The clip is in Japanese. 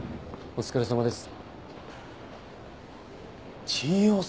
お疲れさまです。